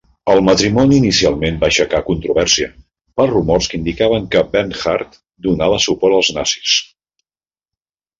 El matrimoni inicialment va aixecar controvèrsia pels rumors que indicaven que Bernhard donava suport als nazis.